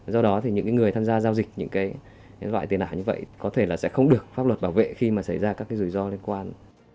do đó thì những người tham gia giao dịch những loại tiền ảo như vậy có thể là sẽ không được pháp luật bảo vệ khi mà xảy ra các cái rủi ro liên quan